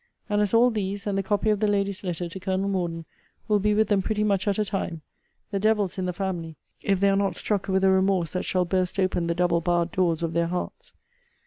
And as all these, and the copy of the lady's letter to Col. Morden, will be with them pretty much at a time, the devil's in the family if they are not struck with a remorse that shall burst open the double barred doors of their hearts.